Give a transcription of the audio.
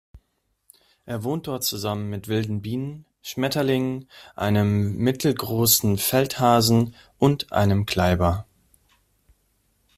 Er wohnt dort zusammen mit wilden Bienen, Schmetterlingen, einem mittelgroßen Feldhasen und einem Kleiber.